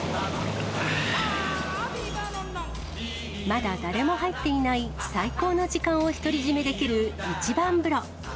まだ誰も入っていない最高の時間を独り占めできる一番風呂。